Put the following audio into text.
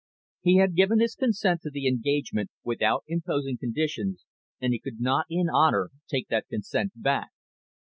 He had given his consent to the engagement without imposing conditions, and he could not in honour take that consent back.